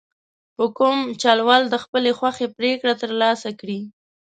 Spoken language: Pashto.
په کوم چل ول د خپلې خوښې پرېکړه ترلاسه کړي.